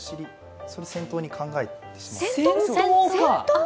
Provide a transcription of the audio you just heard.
それを先頭に考えてます。